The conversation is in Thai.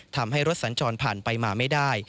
ทำให้รถสัญจรผ่านไปมาไม่ได้